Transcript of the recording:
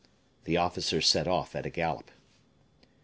The officer set off at a gallop.